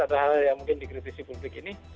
atau hal hal yang mungkin dikritisi publik ini